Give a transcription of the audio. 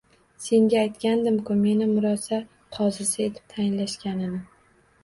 Senga aytgandim-ku, meni murosa qozisi etib saylashganini